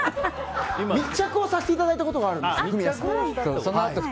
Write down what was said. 密着をさせていただいたことがあるんです。